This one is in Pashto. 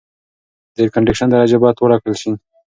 د اېرکنډیشن درجه باید لوړه کړل شي.